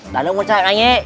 đàn ông con trai của anh ấy